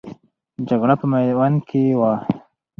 جګړه په میوند کې وه.